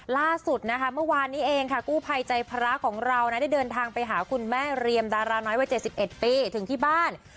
ล่าสุดนะคะเมื่อวานนี้เองค่ะกู้ภัยใจพระของเรานะได้เดินทางไปหาคุณแม่เรียมดาราน้อยวัย๗๑ปีถึงที่บ้าน